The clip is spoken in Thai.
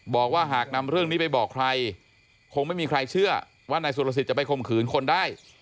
บอกว่าหากนำเรื่องนี้ไปบอกใครคงไม่มีใครเชื่อว่านายสุรสิทธิ์ไปข่มขืนคนได้